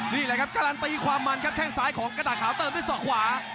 นี่แหละครับการันตีความมันครับแค่งซ้ายของกระดาษขาวเติมด้วยศอกขวา